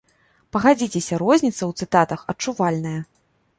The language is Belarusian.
Пагадзіцеся, розніца ў цытатах адчувальная.